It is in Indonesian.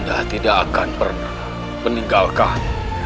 anda tidak akan pernah meninggalkan